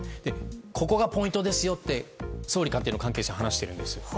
ここがポイントですよって総理官邸の関係者は話しているんです。